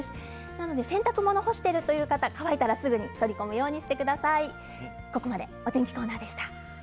なので洗濯物を干しているという方乾いたらすぐに取り込むようにしてください。